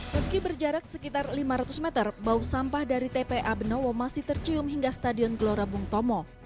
meski berjarak sekitar lima ratus meter bau sampah dari tpa benowo masih tercium hingga stadion gelora bung tomo